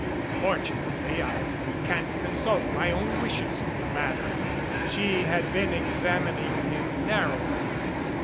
Unfortunately, I can't consult my own wishes in the matter." She had been examining him narrowly.